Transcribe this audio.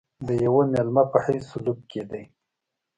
د یوه مېلمه په حیث سلوک کېدی.